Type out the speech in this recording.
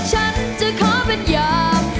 ฉันจะขอเป็นยาม